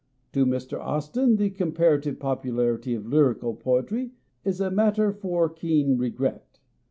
To Mr. Austin the comparative popularity of lyrical poetry is a matter for keen regret.